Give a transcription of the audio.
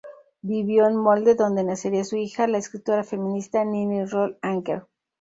Vivió en Molde, donde nacería su hija, la escritora feminista Nini Roll Anker.